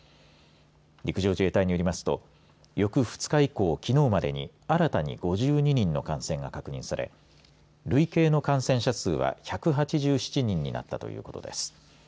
陸上自衛隊によりますと翌２日以降、きのうまでに新たに５２人の感染が確認され累計の感染者数は１８７人になったということです。